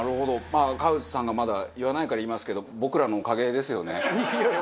まあ川内さんがまだ言わないから言いますけど僕らのおかげですよね。